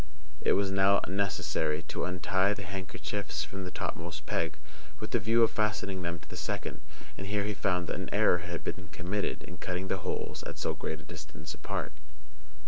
It was now necessary to untie the handkerchiefs from the topmost peg, with the view of fastening them to the second; and here he found that an error had been committed in cutting the holes at so great a distance apart.